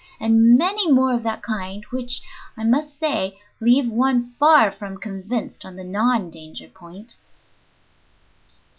And many more of that kind which, I must say, leave one far from convinced on the non danger point.